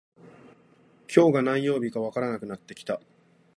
今日が何曜日かわからなくなってきた